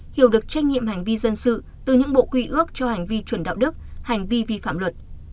hiểu được trách nhiệm hành vi dân sự từ những bộ quy ước cho hành vi chuẩn đạo đức hành vi vi phạm luật